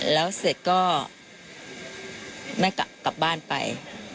แล้วเสร็จก็ได้กลับบ้านไป